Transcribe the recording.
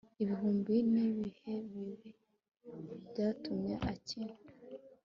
Ibihumbi nibihe bibi byatumye akin